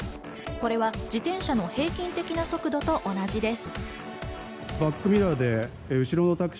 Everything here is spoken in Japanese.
これは自転車の平均的な速度と同じです。